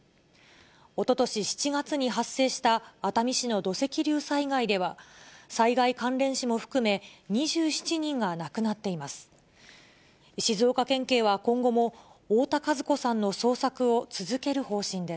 おととし７月に発生した熱海市の土石流災害では、災害関連死も含め２７人が亡くなっています。